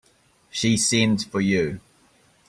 She sends for you.